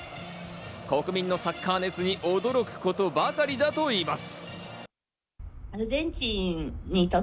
国民のサッカー熱に驚くことばかりだといいます。